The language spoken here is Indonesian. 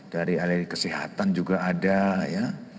dari ahli kesehatan juga ada ya